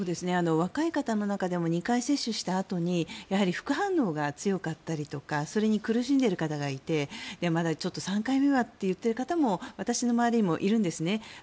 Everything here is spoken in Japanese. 若い方の中でも２回接種したあとに副反応が強かったりとかそれに苦しんでいる方がいてまだちょっと３回目はと言っている方も私の周りにもいるんですね。